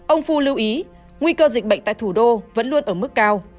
ông phu lưu ý nguy cơ dịch bệnh tại thủ đô vẫn luôn ở mức cao